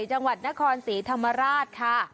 จังหวัดนครศรีธรรมราชค่ะ